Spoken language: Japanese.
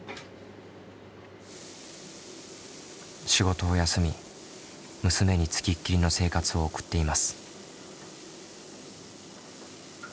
仕事を休み娘に付きっきりの生活を送っています。